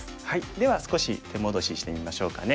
では少し手戻ししてみましょうかね。